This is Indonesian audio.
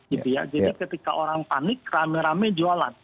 jadi ketika orang panik rame rame jualan